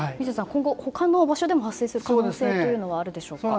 他の場所でも今後、発生する可能性はありますでしょうか。